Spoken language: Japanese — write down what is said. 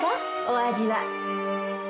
お味は」